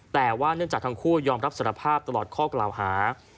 แต่ว่าเนื่องจากทั้งคู่ยอมรับสารภาพตลอดข้อกล่าวหา